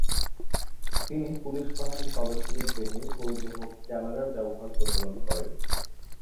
তিনি পুলিশ বাহিনীর সদস্যদের দেহে পরিধেয় ক্যামেরার ব্যবহার প্রচলন করেন।